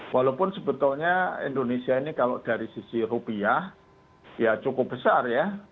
walaupun sebetulnya indonesia ini kalau dari sisi rupiah ya cukup besar ya